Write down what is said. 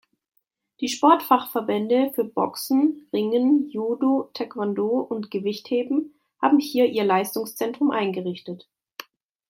Die Sportfachverbände für Boxen, Ringen, Judo, Taekwondo und Gewichtheben haben hier ihr Leistungszentrum eingerichtet.